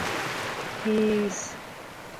Кис.